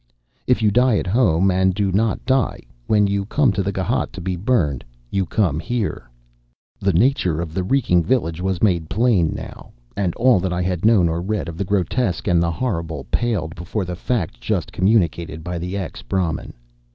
"If you die at home and do not die when you come to the ghât to be burned you come here." The nature of the reeking village was made plain now, and all that I had known or read of the grotesque and the horrible paled before the fact just communicated by the ex Brahmin.